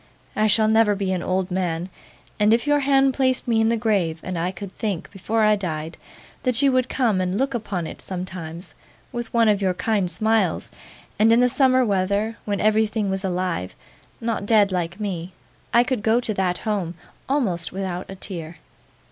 I shall never be an old man; and if your hand placed me in the grave, and I could think, before I died, that you would come and look upon it sometimes with one of your kind smiles, and in the summer weather, when everything was alive not dead like me I could go to that home almost without a tear.